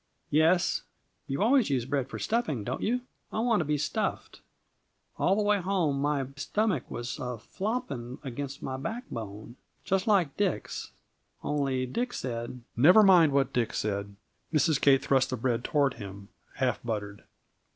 "Yes you always use bread for stuffing, don't you? I want to be stuffed. All the way home my b my stomerch was a flopping against my backbone, just like Dick's. Only Dick said " "Never mind what Dick said." Mrs. Kate thrust the bread toward him, half buttered.